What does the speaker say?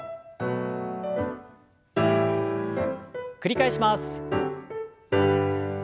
繰り返します。